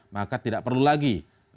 maka tidak perlu lagi